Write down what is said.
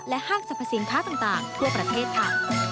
ห้างสรรพสินค้าต่างทั่วประเทศค่ะ